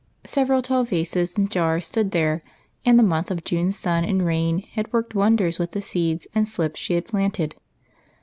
Several tall vases and jars stood there, and a month of June sun and rain had worked won ders with the seeds and slips she had planted.